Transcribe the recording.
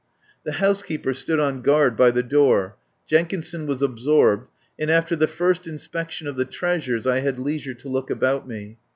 The housekeeper stood on guard by the door, Jenkinson was absorbed, and after the first inspection of the treasures I had leisure to look about me.